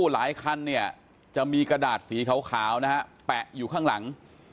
หลายคันเนี่ยจะมีกระดาษสีขาวนะฮะแปะอยู่ข้างหลัง